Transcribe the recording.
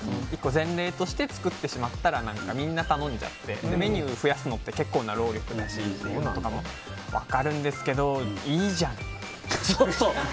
前例として作ってしまったらみんな頼んじゃってメニューを増やすのって結構な労力だしそういうのは分かるんですけどそうそう！